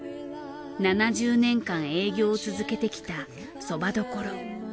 ７０年間営業を続けてきたそば処。